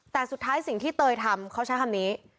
แต่สุดท้ายสิ่งที่เตยทำเขาใช้คำนี้